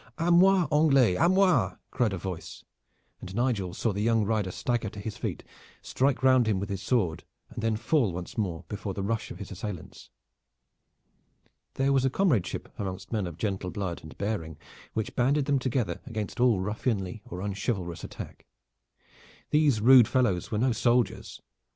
"A moi, Anglais, a moi!" cried a voice, and Nigel saw the young rider stagger to his feet, strike round him with his sword, and then fall once more before the rush of his assailants. There was a comradeship among men of gentle blood and bearing which banded them together against all ruffianly or unchivalrous attack. These rude fellows were no soldiers.